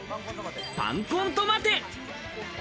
パンコントマテ。